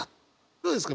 どうですか？